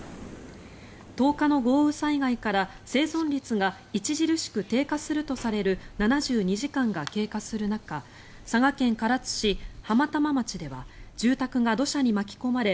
１０日の豪雨災害から生存率が著しく低下するとされる７２時間が経過する中佐賀県唐津市浜玉町では住宅が土砂に巻き込まれ